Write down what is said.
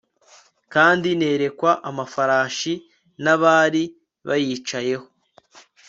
kandi nerekwa amafarashi n abari bayicayeho